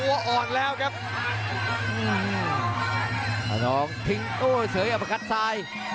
ตัวอ่อนแล้วครับปานทองทิ้งโต้เสยอประคัตซาย